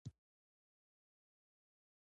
غوماشې تل د انسان وینه څښي.